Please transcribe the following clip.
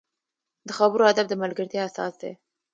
د خبرو ادب د ملګرتیا اساس دی